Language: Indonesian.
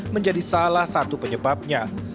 menjadi salah satu penyebabnya